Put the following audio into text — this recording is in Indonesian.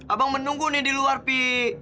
abang menunggu nih di luar pi